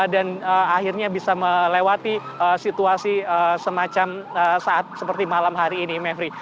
dan akhirnya bisa melewati situasi semacam saat seperti malam hari ini mavri